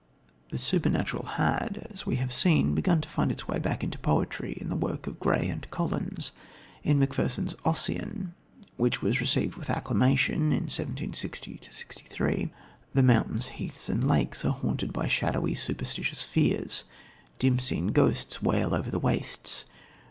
The supernatural had, as we have seen, begun to find its way back into poetry, in the work of Gray and Collins. In Macpherson's Ossian, which was received with acclamation in 1760 3, the mountains, heaths and lakes are haunted by shadowy, superstitious fears. Dim seen ghosts wail over the wastes.